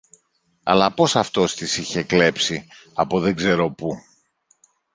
αλλά πως αυτός τις είχε κλέψει από δεν ξέρω που